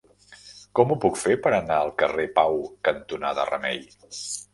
Com ho puc fer per anar al carrer Pau cantonada Remei?